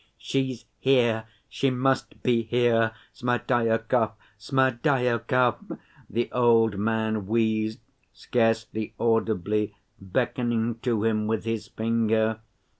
"She's here. She must be here. Smerdyakov! Smerdyakov!" the old man wheezed, scarcely audibly, beckoning to him with his finger.